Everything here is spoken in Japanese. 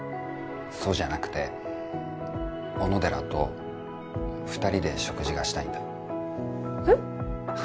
そうじゃなくて小野寺と２人で食事がしたいんだえっ？